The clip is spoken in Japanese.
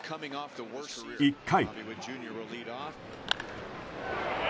１回。